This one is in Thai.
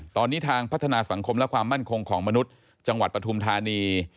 ตอนนี้ทางพัฒนาสังคมและความมั่นคงของมนุษย์จังหวัดปฐุมธานี